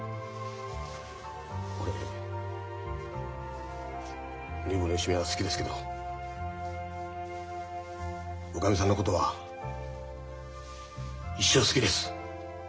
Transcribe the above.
俺女房の芳美は好きですけどおかみさんのことは一生好きです。